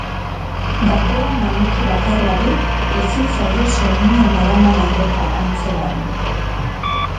Dagoen maniki bakarrari ezin zaio soinean daraman arropa antzeman.